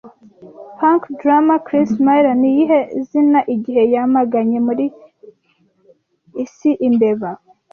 Punk Drummer Chris Miller niyihe zina igihe Yamaganye muri s Imbeba